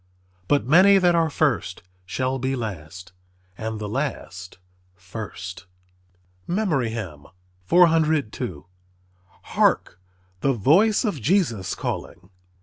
But many that are first shall be last; and the last first." MEMORY HYMN _"Hark, the voice of Jesus calling."